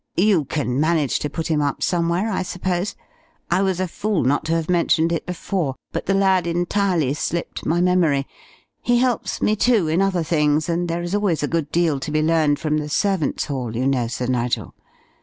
You can manage to put him up somewhere, I suppose? I was a fool not to have mentioned it before, but the lad entirely slipped my memory. He helps me, too, in other things, and there is always a good deal to be learned from the servants' hall, you know, Sir Nigel....